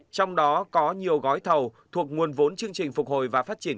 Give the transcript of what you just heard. trong đó có nhiều gói thầu thuộc nguồn vốn chương trình phục hồi và phát triển